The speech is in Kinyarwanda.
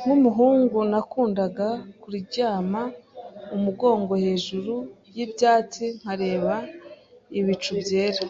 Nkumuhungu, nakundaga kuryama umugongo hejuru yibyatsi nkareba ibicu byera